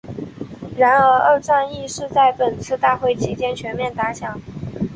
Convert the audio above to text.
然而二战亦是在本次大会期间全面打响。